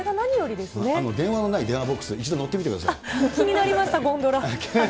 電話のない電話ボックス、気になりました、ゴンドラ。